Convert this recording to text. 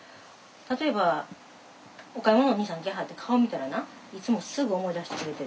例えばお買い物のおにいさん来はって顔見たらないつもすぐ思い出してくれてる。